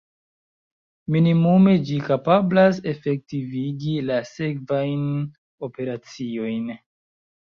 Minimume ĝi kapablas efektivigi la sekvajn operaciojn.